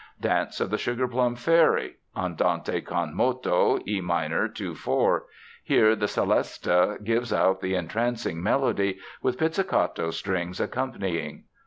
Dance of the Sugarplum Fairy (Andante con moto, E minor, 2 4). Here the celesta gives out the entrancing melody, with pizzicato strings accompanying.